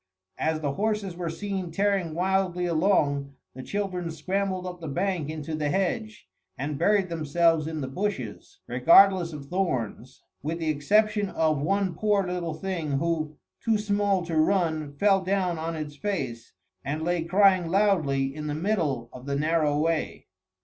As the horses were seen tearing wildly along, the children scrambled up the bank into the hedge, and buried themselves in the bushes, regardless of thorns, with the exception of one poor little thing, who, too small to run, fell down on its face, and lay crying loudly in the middle of the narrow way.